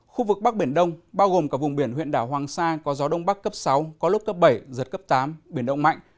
khu vực bắc biển đông bao gồm cả vùng biển huyện đảo hoàng sa có gió đông bắc cấp sáu có lúc cấp bảy giật cấp tám biển động mạnh